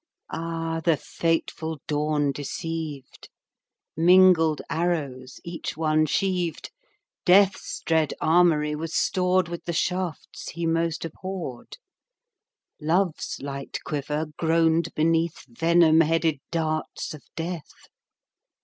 Ah, the fateful dawn deceived! Mingled arrows each one sheaved; Death's dread armoury was stored With the shafts he most abhorred; Love's light quiver groaned beneath Venom headed darts of Death.